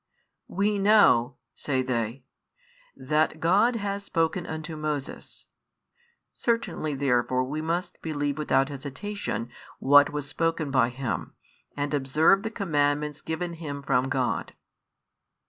"We know," say they, "that God has spoken unto Moses: certainly therefore we must believe without hesitation what was spoken by him, and observe the commandments given him from God.